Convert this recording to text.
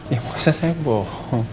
ya nggak usah seboh